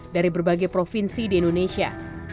dari berbagai provinsi di indonesia